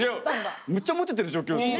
むっちゃモテてる状況ですよね？